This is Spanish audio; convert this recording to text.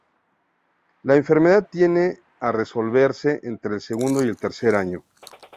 La enfermedad tiende a resolverse entre el segundo y tercer año.